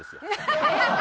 ハハハハ！